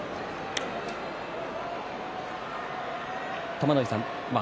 玉ノ井さん